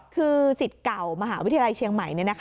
คือสิทธิ์เก่ามหาวิทยาลัยเชียงใหม่